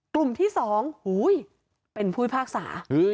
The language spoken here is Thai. กลุ่มที่๒เป็นผู้พิพากษา